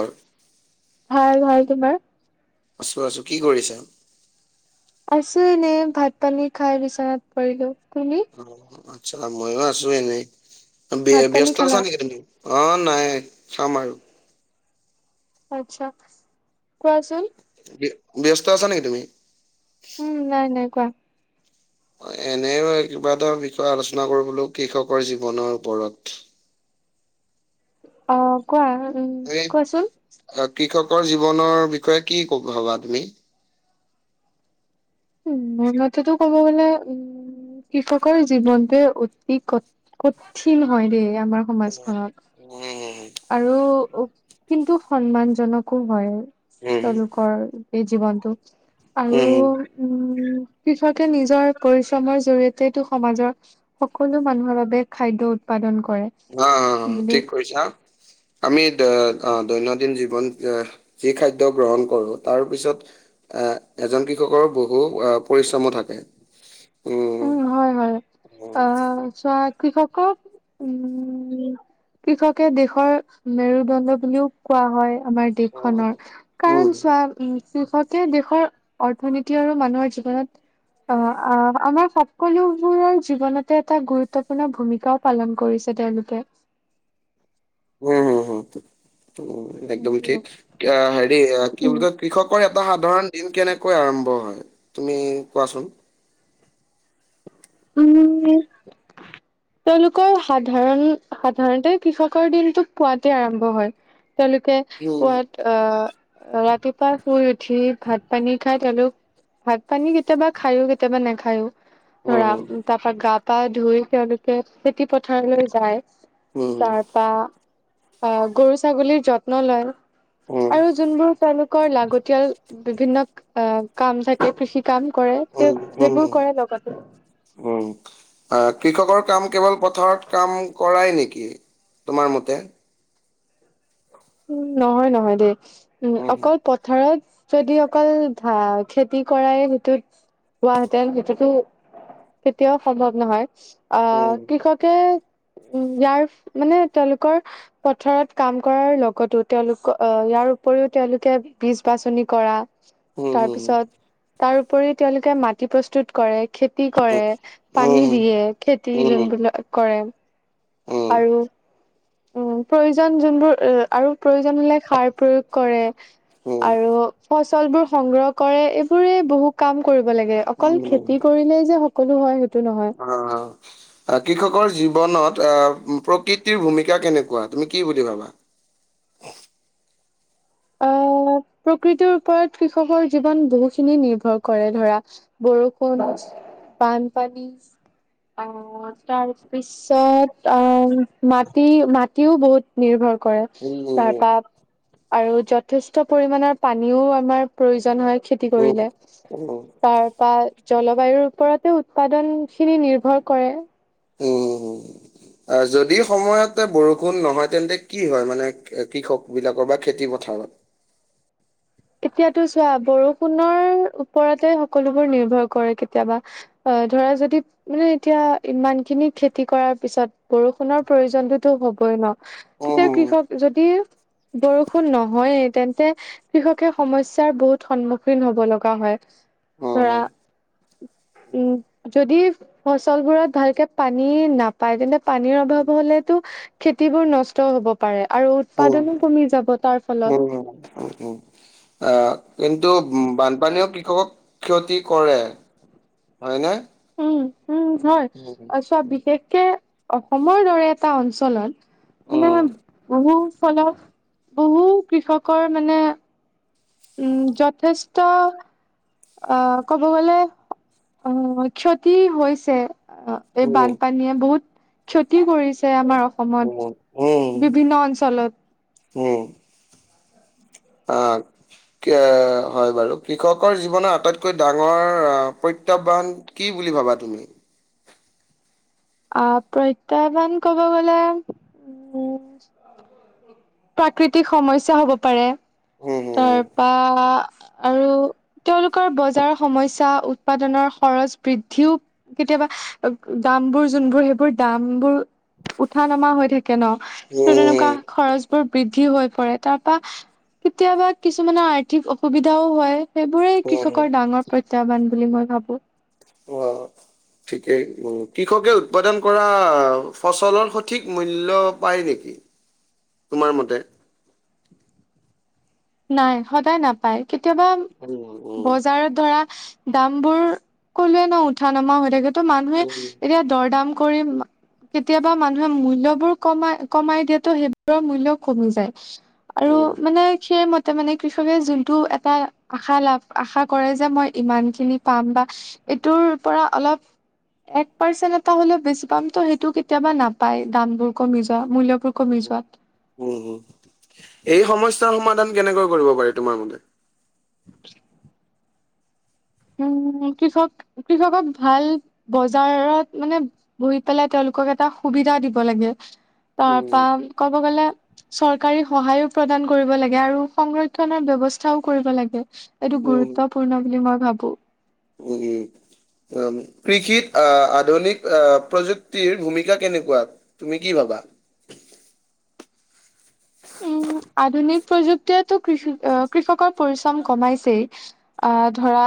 বাৰু ভাল ভাল তোমাৰ আছো আছো কি কৰিছা আছো এনে ভাত পানী খাই বিচনাত পৰিলো তুমি অ' আচ্ছা মইয়ো আছো এনেই ভাত পানী ব্যস্ত আছা খালা? নেকি তুমি অ নাই খাম আৰু আচ্ছা কোৱাচোন ব্যস্ত আছা নেকি তুমি উম নাই নাই কোৱা এনে কিবা এটা বিষয়ে আলোচনা কৰিবলৈ কৃষকৰ জীৱনৰ ওপৰত [inaudible] অ কোৱা উম এই কোৱাচোন কৃষকৰ জীৱনৰ বিষয়ে কি ভবা তুমি [unintelligible] উম মোৰ মতেতো ক'ব গলে উ কৃষকৰ জীৱনতোৱে অতি ক কঠিন হয় দেই আমাৰ উম সমাজ আৰু কিন্তু সন্মান জনকো হয়। উম তেওঁলোকৰ এই জীৱনটো আৰু উম উম কৃষকে নিজৰ পৰিশ্ৰমৰ জৰি়য়তেটো সমাজৰ সকলো মানুহৰ বাবে খাদ্য উৎপাদন উৎপাদন কৰে অ' [unintelligible] অ ঠিক কৈছা। [inaudible] আমি দৈনন্দিন জীৱন যি খাদ্য গ্ৰহণ কৰোঁ, তাৰপিছত এজন কৃষকৰ বহু পৰিশ্ৰমো থাকে। উম হয় হয় উম, আহ, চোৱা কৃষক খুব উম, কৃষকে দেশৰ মেৰুদণ্ড বুলিও কোৱা হয়। আমাৰ দেশখনৰ। কাৰণ উম, চোৱা উম, কৃষকে দেশৰ অৰ্থনীতি আৰু মানুহৰ জীৱনত আহ আমাৰ, সকলোবোৰৰ জীৱনতে এটা গুৰুত্বপূৰ্ণ ভূমিকাও পালন কৰিছে তেওঁলোকে। [inaudible] উম হম হুম উম একদম উম [unintelligible] [inaudible] উম। তেওঁলোকৰ সাধাৰণ সাধাৰণতে কৃষকৰ দিনটো পোৱাতে আৰম্ভ হয়। তেওঁলোকে উম, পোৱাত আহ ৰাতিপুৱা শুই উঠি ভাত পানী খাই তেওঁলোক, ভাত পানী কেতিয়াবা খায়ো, কেতিয়াবা নাখায়ো, ধৰা উম, তাৰ পৰা গাপ- পা ধুই তেওঁলোকে খেতি পথাৰলৈ যায়। উম, তাৰপা আহ গৰু ছাগলীৰ যত্ন লয়। উম, আৰু যোনবোৰ তেওঁলোকৰ লাগতিয়াল বিভিন্ন কাম থাকে কৃষিত, কাম কৰে, উম, সেইবোৰ কৰে লগতে। আহ কৃষকৰ কাম কেৱল পথাৰত কাম কৰাই নেকি? তোমাৰ মতে। উ নহয় নহয় দেই উম অকল পথাৰত, যদি অকল ধা খেতি কৰাই সেইটোত হোৱাহেঁতেন, সেইটোতো কেতিয়াও সম্ভৱ নহয়। আহ উম, কৃষকে উম ইয়াৰ মানে তেওঁলোকৰ পথাৰত কাম কৰাৰ লগত, কতো তেওঁলোকৰ ইয়াৰ উপৰিও তেওঁলোকে বীজ বাছনি কৰা, তাৰ উম, পিছত তাৰ উপৰি তেওঁলোকে মাটি প্ৰস্তুত কৰে, খেতি উম, কৰে, উম, পানী দিয়ে, খেতি উম, উম, যোনবিলাক কৰে। উম, আৰু উম প্ৰয়োজন যোনবোৰ এ - আৰু প্ৰয়োজন হলে সাৰ প্ৰয়োগ কৰে। উম, আৰু ফচলবোৰ সংগ্ৰহ কৰে। এইবোৰে বহু কাম কৰিব লাগে, অকল খেতি কৰিলেই যে সকলো হয়। নহয় অ অ। কৃষকৰ জীৱনত আহ প্ৰকৃতিৰ ভূমিকা কেনেকুৱা। তুমি কি বুলি ভাবা? [inaudible] অহ। প্ৰকৃতিটোৰ ওপৰত কৃষকৰ জীৱন বহু খিনি নিৰ্ভৰ কৰে। ধৰা বৰষুণ, বান পানী, অ তাৰ পিছত অ মাটি মাটিও বহুত নিৰ্ভৰ কৰে। উম, তাৰপা আৰু যথেষ্ট পৰিমানৰ পানীও আমাৰ প্ৰয়োজন হয় খেতি কৰিলে। তাৰপা জলবায়ুৰ ওপৰতে উৎপাদন খিনি নিৰ্ভৰ কৰে। অ যদি সময়তে বৰষুণ নহয়, তেন্তে কি হয় মানে কৃষক বিলাকৰ বা খেতি পথাৰত? অ [unintelligible] এতিয়াতো চোৱা বৰষুণৰ ওপৰতে সকলোবোৰ নিৰ্ভৰ কৰে কেতিয়াবা অ। ধৰা যদি মানে এতিয়া ইমান খিনি খেতি কৰাৰ পিছত বৰষুণৰ প্ৰয়োজনতোতো হ'বই ন। আ তেতিয়া কৃষক যদি বৰষুণ নহয়েই তেন্তে, কৃষক সমস্যাৰ বহুত সন্মুখীন হব লগা হয়। ধৰা, উম, যদি ফচলবোৰত ভালকে পানী নাপায়, তেন্তে পানীৰ অভাৱ হলে খেতিবোৰ নষ্ট হ'ব পাৰে আৰু উৎপাদনো কমি যাব তাৰ ফলত। আহ কিন্তু বানপানীয়েও কৃষকক ক্ষতি কৰে, হয়নে? উম, উম, হয় উম, চোৱা বিশেষকে অসমৰ দৰে এটা অঞ্চলত মানে উম, বহু ফলত বহু কৃষকৰ মানে উম যথেষ্ট- আহ' ক'ব গলে আহ'ক্ষতি হৈছে। অ' এই বানপানীয়ে বহুত ক্ষতি কৰিছে আমাৰ। উম, উম, অসমত বিভিন্ন অঞ্চলত। উম। অ' এ' হয় বাৰু কৃষকৰ জীৱনৰ আটাইতকৈ ডাঙৰ আহ প্ৰত্যাহ্বান কি? বুলি ভাবা তুমি? আহ প্ৰত্যাহ্বান কব গলে উম, প্ৰাকৃতিক সমস্যাৰ হ'ব পাৰে। উম তাৰ হম পৰা আৰু তেওঁলোকৰ বজাৰৰ সমস্যা, উৎপাদনৰ খৰচ বৃদ্ধিও কেতিয়াবা বোৰ যোনবোৰ সেইবোৰ দামবোৰ উঠা নমা হৈ থাকে ন তৌ তেনেকুৱা উম খৰছ, বৃদ্ধি হৈ পৰে। তাৰ পৰা কেতিয়াবা কিছুমানে আৰ্থিক অসুবিধাও হয়। সেইবোৰেই উম কৃষকৰ ডাঙৰ প্ৰত্যাহ্বান বুলি মই ভাবো। উ। ঠিকেই কৃষকে উৎপাদন কৰা ফচলৰ সঠিক মূল্য পায় নেকি? কি তোমাৰ মতে? নাই সদায় নাপায়, কেতিয়াবা উম উম বজাৰত ধৰা দাম বোৰ কলোৱে ন উঠা উম কেতিয়াবা মানুহে মূল্য বোৰ কমাই কমাই দিয়াতো সেইবোৰৰ মূল্য কমি যায়। আৰু উম মানে মতে মানে কৃষকে যোনটো এটা আশা লাভ আশা কৰে যে মই ইমান খিনি পাম বা এইটোৰ পৰা অলপ এক পাৰ্চেন্ট এটা হলেও বেছি পাম ত সেইটো কেতিয়াবা নাপায়। দামবোৰ কমি যোৱা মূল্য উম, এই সমস্যাৰ সমাধান কেনেকৈ কৰিব পাৰি, তোমাৰ মতে? [inaudible] উম, কৃষক, কৃষকক ভাল বজাৰত মানে বহি পেলাই তেওঁলোক কক এটা সুবিধা দিব লাগে। উম তাৰপৰা ক'ব গ'লে চৰকাৰী সহায়ো প্ৰদান কৰিব লাগে। আৰু সংৰক্ষনৰৰ ব্যৱস্থাও কৰিব লাগে। এইটো উম গুৰুত্বপূৰ্ণ বুলি মই ভাবো। উম। কৃষিত, আ আধুনিক আ প্ৰযুক্তিৰ ভূমিকা কেনেকুৱা? তুমি কি ভাবা? [inaudible] উম। আধুনিক প্ৰযুক্তিয়েতো কৃষি কৃষকৰ পৰিশ্ৰম কমাইছেই। আ ধৰা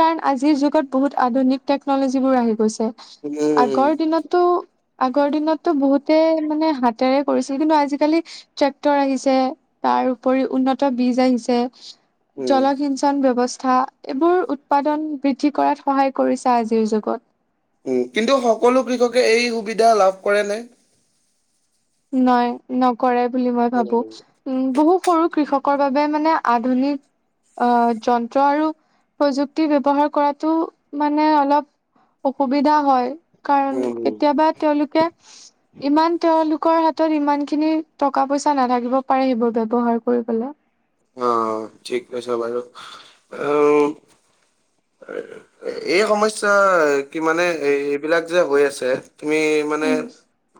কাৰণ আজিৰ যুগত বহুত আধুনিক টেকন'লজীবোৰ আহি গৈছে। উম, আগৰ দিনতো আগৰ দিনতো বহুতে মানে হাতেৰে কৰিছিল, কিন্তু আজিকালি ট্ৰেক্টৰ আহিছে, তাৰ উপৰিও উন্নত বীজ আহিছে। উম, জলসিঞ্চন ব্যৱস্থা। তথা এইবোৰ উৎপাদন বৃদ্ধি কৰাত সহায় কৰিছে আজিৰ যুগত। কিন্তু সকলো কৃষকে এই সুবিধা লাভ কৰেনে? নাই। নকৰে বুলি মই ভাবো, উম, উম বহু সৰু কৃষক কৰ বাবে মানে আধুনিক আ যন্ত্ৰ আৰু প্ৰযুক্তি ব্যৱহাৰ কৰাটো, মানে অলপ অসুবিধা হয়। কাৰণ উম, কেতিয়াবা তেওঁলোকে, ইমান তেওঁলোক লোকৰ হাতত ইমানখিনি টকা-পইচা নাথাকিব পাৰে, সেইবোৰ ব্যৱহাৰ কৰিবলৈ অ' ঠিক কৈছা বাৰু। আ এই সমস্যা কি মানে এই-এইবিলাক যে হৈ আছে তুমি মানে, উম।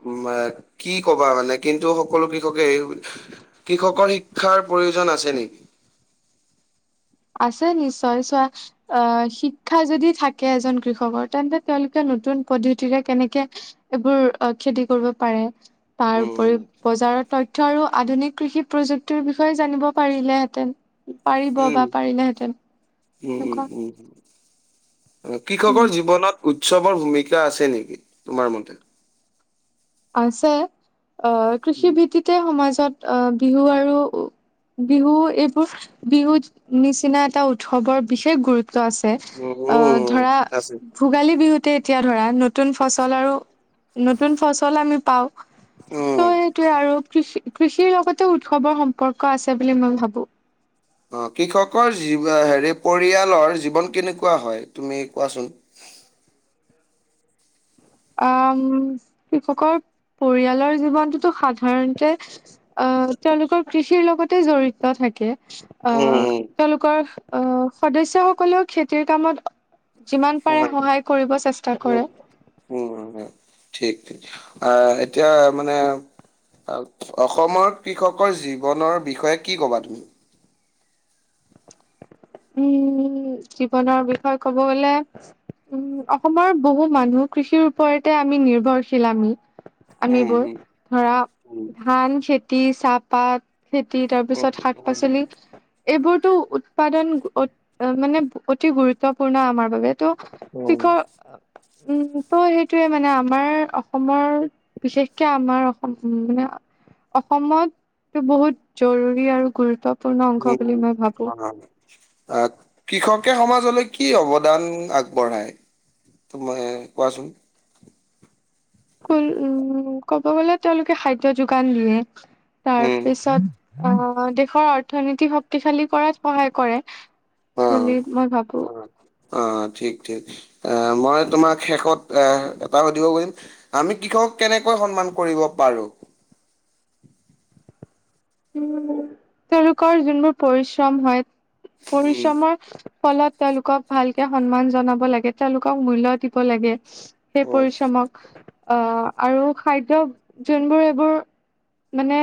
উম কি ক'বা মানে? কিন্তু সকলো কৃষকে এই, কৃষকৰ শিক্ষাৰ প্ৰয়োজন আছে নি? [inaudible] আছে নিশ্চয়। চোৱা, আ শিক্ষা যদি থাকে এজন কৃষকৰ, তেন্তে তেওঁলোকে নতুন নতুন পদ্ধতিৰে কেনেকে এইবোৰ খেতি কৰিব পাৰে তাৰ উপৰি উম, বজাৰৰ তথ্য আৰু আধুনিক কৃষি প্ৰযুক্তিৰ বিষয়ে জানিব পাৰিলেহেঁতেন, পাৰিব উম, বা পাৰিলেহেঁতেন! উম উম এনেকুৱা উম। কৃষকৰ উম জীৱনত উৎসৱৰ ভূমিকা আছে নেকি? তোমাৰ মতে আছে। আ কৃষি উম, ভিত্তিতে সমাজত আ বিহু আৰু বিহু এইবোৰ, বিহুত নিচিনা এটা উৎসৱৰ বিশেষ গুৰুত্ব আছ। অ' উম, ধৰা আছে, ভোগালী বিহু এতিয়া ধৰা নতুন ফচল আৰু, নতুন ফচল আমি পাওঁ। ত উম। ' এইটোয়ে আৰু কৃষি-কৃষিৰ লগতে উৎসৱৰ সম্পৰ্ক আছে বুলি মই ভাবো। অ' কৃষকৰ যি হেৰি পৰিয়ালৰ, জীৱন কেনেকুৱা হয়? তুমি কোৱাচোন। আ, কৃষকৰ পৰিয়ালৰ জীৱনটোতো সাধাৰণতে তেওঁলোকৰ কৃষিৰ লগতে জড়িত থাকে। আ, উম তেওঁলোকৰ আ, সদস্যসকলেও খেতিৰ কামত যিমান পাৰে হয় সহায় কৰিব চেষ্টা উম কৰে। উম হয়। ঠিক ঠিক। আ এতিয়া মানে অসমৰ কৃষকৰ জীৱনৰ বিষয়ে কি ক'বা তুমি? উম। জীৱনৰ বিষয়ে ক'ব গ'লে উম। অসমৰ বহু মানুহ কৃষিৰ ওপৰতে আমি নিৰ্ভৰশীল আমি। উম আমিবোৰ। হুম ধৰা উম ধান, খেতি, চাহপাত খেতি, তাৰপিছত শাক উম পাচলি, এইবোৰতো উৎপাদন অ' মানে অতি গুৰুত্বপূৰ্ণ আমাৰ বাবে। ত' উম। কৃষক উম। ত' সেইটোয়ে মানে আমাৰ অসমৰ, বিশেষকে আমাৰ অসম মানে অসমতটো বহুত জৰুৰী আৰু গুৰুত্ব। উম অ। আহ কৃষকে সমাজলৈ কি অৱদান আগবঢ়ায়? তুমি কোৱাচোন। উম, ক'ব গলে তেওঁলোকে খাদ্য যোগান দিয়ে উম তাৰপিছত। অ, দেশৰ অৰ্থনীতি শক্তিশালী কৰাত সহায় কৰে। অ বুলি মই ভাবো। অ, ঠিক ঠিক আহ মই তোমাক শেষত এ এটা সুধিব পাৰিম আমি কি। কেনেকৈ সন্মান কৰিব পাৰো। [unintelligible] উম, তেওঁলোকৰ যোনবোৰ পৰিশ্ৰম হয় উম, পৰিশ্ৰমৰ। ফলত তেওঁলোকক ভালকে সন্মান জনাব লাগে, তেওঁলোকক মূল্য দিব লাগে। সেই অ, পৰিশ্ৰমক আহ। আৰু খাদ্য যোনবোৰ এইবোৰ মানে।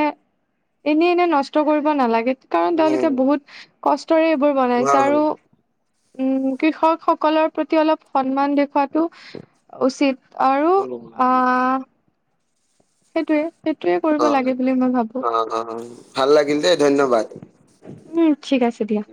এনে এনে নষ্ট কৰিব নালাগে, কাৰণ তেওঁলোকে বহুত কষ্ট। এইবোৰ উম, বনাইছে আৰু। উম, কৃষক সকলৰ প্ৰতি অলপ সন্মান দেখুৱাতটো উচিত। আৰু। অ, উম, সেইটোয়ে। সেইটোয়ে কৰিব অ, লাগে বুলি মই ভাবো অ, অ, ভাল লাগিল দেই ধন্যবাদ উম। ঠিক আছে দিয়া।